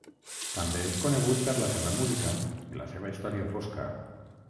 També és conegut per la seva música i la seva història fosca.